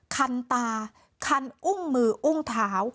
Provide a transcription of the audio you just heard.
คันตาคันอุ้งมืออุ้งเท้า